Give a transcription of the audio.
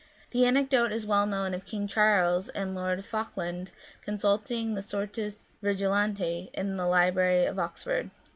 The anecdote is well known of King Charles and Lord Falkland consulting the Sortes Virgilianae in the library at Oxford.